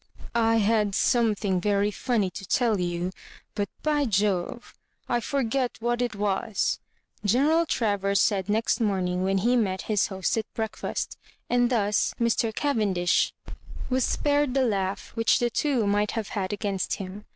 " I had something very funny to tell you; but, by Jove! I forget what it was," General Travers said next morning when he met bis host at break&st; and thus Mr. Cavendish was spared the laugh which the two might have had against him.